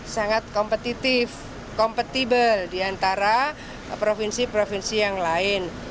sangat kompetitif kompetibel di antara provinsi provinsi yang lain